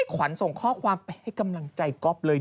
ขวัญส่งข้อความไปให้กำลังใจก๊อฟเลย